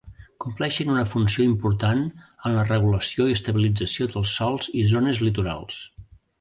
Compleixen una funció important en la regulació i estabilització dels sòls i zones litorals.